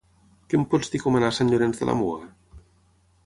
Que em pots dir com anar a Sant Llorenç de la Muga?